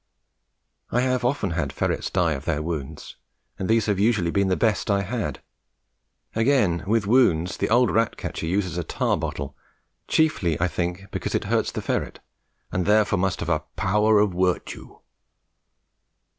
I have often had ferrets die of their wounds, and these have usually been the best I had. Again, with wounds the old rat catcher uses the tar bottle, chiefly, I think, because it hurts the ferret, and therefore must have "a power of wirtue."